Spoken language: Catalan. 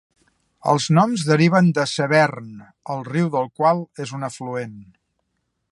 Els noms deriven de Severn, el riu del qual és un afluent.